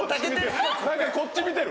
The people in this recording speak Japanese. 何かこっち見てる。